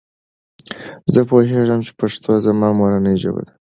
زه پوهیږم چې پښتو زما مورنۍ ژبه ده.